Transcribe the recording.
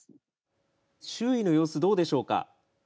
周囲の様子どうでしょうか。